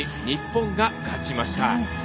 日本が勝ちました。